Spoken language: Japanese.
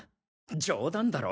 冗談だろ？